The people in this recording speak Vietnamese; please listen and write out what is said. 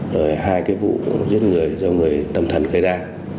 rồi hai cái vụ giết người do người tầm thần khơi đa